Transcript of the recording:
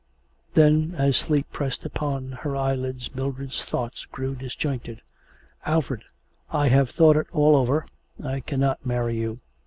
Then as sleep pressed upon her eyelids Mildred's thoughts grew disjointed. ... 'Alfred, I have thought it all over. I cannot marry you.